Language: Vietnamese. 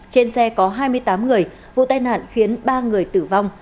trên xe có hai mươi tám người vụ tai nạn khiến ba người tử vong